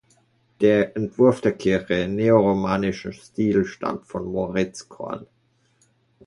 Der Entwurf der Kirche im neoromanischen Stil stammt von Moritz Korn.